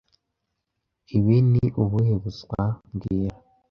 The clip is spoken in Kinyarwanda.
Ibi ni ubuhe buswa mbwira